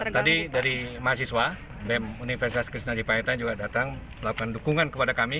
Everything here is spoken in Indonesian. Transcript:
tadi dari mahasiswa universitas kristina dipayetan juga datang melakukan dukungan kepada kami